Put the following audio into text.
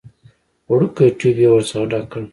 وړوکی ټيوب يې ورڅخه ډک کړ.